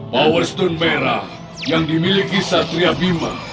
power stone merah yang dimiliki satria bhima